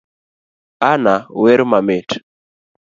Anna wer mamit.